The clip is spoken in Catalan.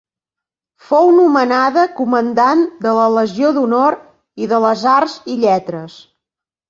Fou nomenada comandant de la Legió d'Honor i de les Arts i Lletres.